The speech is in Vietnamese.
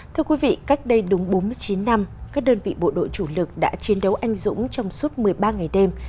thưa quý vị cách đây đúng bốn mươi chín năm các đơn vị bộ đội chủ lực đã chiến đấu anh dũng trong suốt một mươi ba ngày đêm